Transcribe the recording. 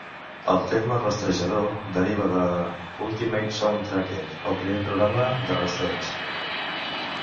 El terme rastrejador deriva de "Ultimate Soundtracker": el primer programa de rastreig.